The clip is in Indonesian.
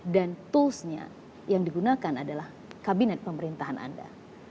dan tools nya yang digunakan adalah kabinet pemerintahan anda